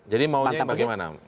jadi maunya bagaimana